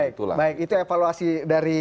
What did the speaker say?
baik baik itu evaluasi dari